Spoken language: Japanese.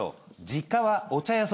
実家はお茶屋。